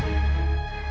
gak ada reaksi apapun